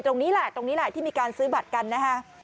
ตรงนี้แหละตรงนี้แหละที่มีการซื้อบัตรกันนะฮะ